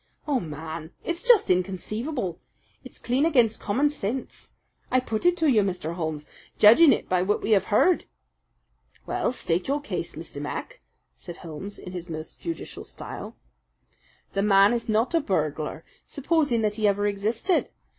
Oh, man, it's just inconceivable! It's clean against common sense! I put it to you, Mr. Holmes, judging it by what we have heard." "Well, state your case, Mr. Mac," said Holmes in his most judicial style. "The man is not a burglar, supposing that he ever existed.